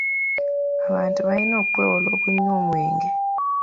Abantu balina okwewala okunywa omwenge.